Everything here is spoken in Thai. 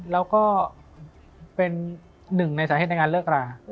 แล้วก็เป็นหนึ่งในสาเหตุในการเลิกรา